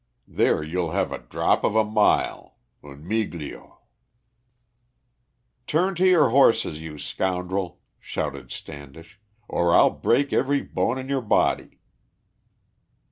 There you'll have a drop of a mile (un miglio)." "Turn to your horses, you scoundrel," shouted Standish, "or I'll break every bone in your body!"